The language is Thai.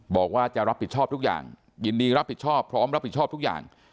บอกว่าจะรับผิดชอบทุกอย่างยินดีรับผิดชอบพร้อมรับผิดชอบทุกอย่าง